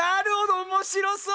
おもしろそう！